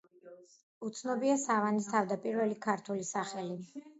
უცნობია სავანის თავდაპირველი ქართული სახელი.